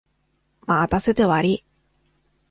待たせてわりい。